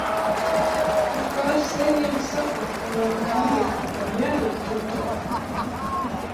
Pēc pāris sērijām sapratu, ka velk uz miegu un ir jāiet čučēt.